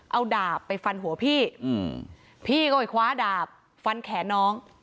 เอาดาบไปฟันหัวพี่พี่ก็ไปคว้าดาบฟันแขนน้อง